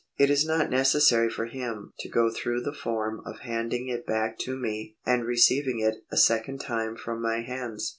It is not necessary for him to go through the form of handing it back to me and receiving it a second time from my hands.